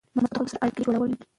مثبتو خلکو سره اړیکه جوړول مهم دي.